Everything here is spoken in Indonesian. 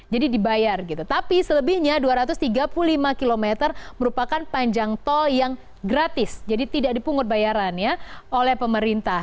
jadi dibayar gitu tapi selebihnya dua ratus tiga puluh lima km merupakan panjang tol yang gratis jadi tidak dipungut bayarannya oleh pemerintah